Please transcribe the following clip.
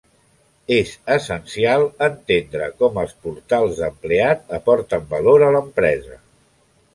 És essencial entendre com els portals d'empleat aporten valor a l'empresa.